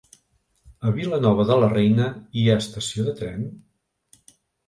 A Vilanova de la Reina hi ha estació de tren?